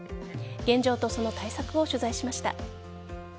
現状とその対策を取材しました。